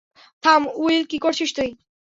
থাম, উইল, কী করছিস তুই?